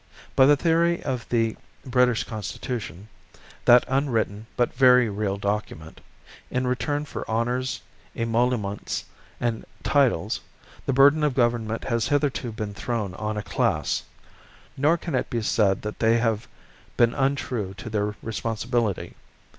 By the theory of the British constitution that unwritten but very real document in return for honours, emoluments, and titles, the burden of government has hitherto been thrown on a class. Nor can it be said that they have been untrue to their responsibility.